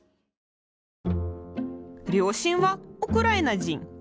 両親はウクライナ人。